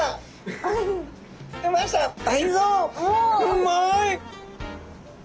うまい！